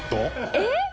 えっ？